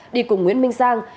đi cùng nguyễn minh sang